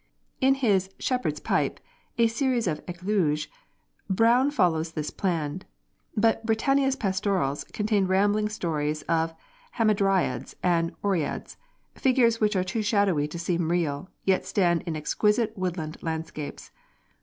In his 'Shepherd's Pipe,' a series of 'Eclogues' Browne follows this plan; but 'Britannia's Pastorals' contains rambling stories of Hamadryads and Oreads; figures which are too shadowy to seem real, yet stand in exquisite woodland landscapes.